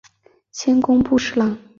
迁工部侍郎。